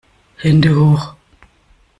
Hände hoch!